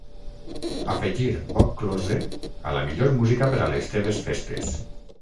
afegir bob klose a la millor música per a les teves festes